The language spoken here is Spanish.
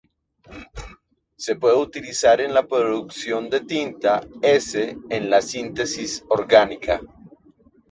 Se pueden utilizar en la producción de tinta s en la síntesis orgánica.